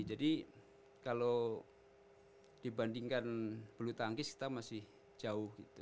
jadi kalau dibandingkan belutangkis kita masih jauh gitu